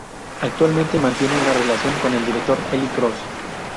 Actualmente mantiene una relación con el director Eli Cross.